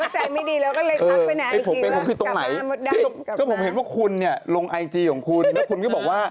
จริงเหรอจริงจะตายเหรอ